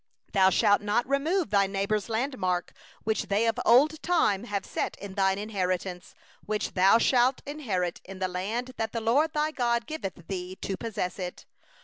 14Thou shalt not remove thy neighbour's landmark, which they of old time have set, in thine inheritance which thou shalt inherit, in the land that the LORD thy God giveth thee to possess it.